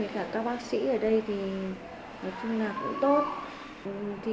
cả các bác sĩ ở đây thì nói chung là cũng tốt